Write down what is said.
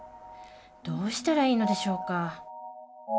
どうしたらいいのでしょうか